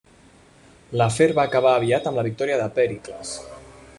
L'afer va acabar aviat amb la victòria de Pèricles.